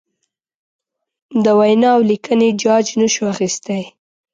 د وینا اولیکنې جاج نشو اخستی.